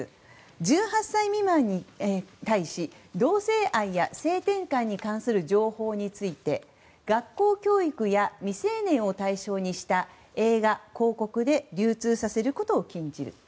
１８歳未満に対し、同性愛や性転換に関する情報について学校教育や未成年を対象にした映画・広告で流通させることを禁じる。